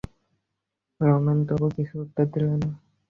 রমেন তবু কিছু উত্তর দিলে না।